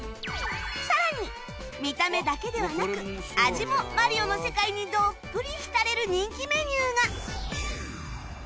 さらに見た目だけではなく味も『マリオ』の世界にどっぷり浸れる人気メニューが